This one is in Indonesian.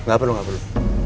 gak perlu gak perlu